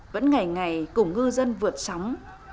vẫn ngày ngày cùng ngư dân vượt sóng